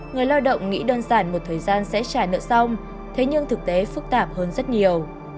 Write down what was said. người lao động nghĩ đơn giản một thời gian sẽ trả nợ xong thế nhưng thực tế phức tạp hơn rất nhiều